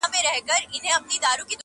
ما خالي انګړ ته وکړل له ناکامه سلامونه؛